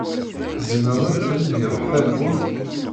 Tzemred ad d-tledyed tawwurt?